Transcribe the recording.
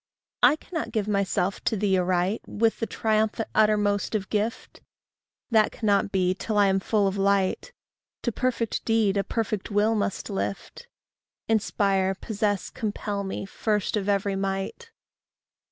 I cannot give myself to thee aright With the triumphant uttermost of gift; That cannot be till I am full of light To perfect deed a perfect will must lift: Inspire, possess, compel me, first of every might.